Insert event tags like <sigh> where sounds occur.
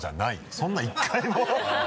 そんなの１回も <laughs>